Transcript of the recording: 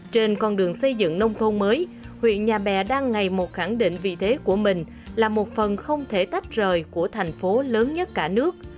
trên con đường xây dựng nông thôn mới huyện nhà bè đang ngày một khẳng định vị thế của mình là một phần không thể tách rời của thành phố lớn nhất cả nước